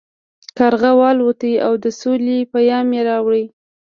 کارغه والوت او د سولې پیام یې راوړ.